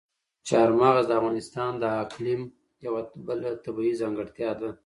چار مغز د افغانستان د اقلیم یوه بله طبیعي ځانګړتیا ده.